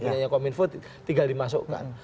punya kominfo tinggal dimasukkan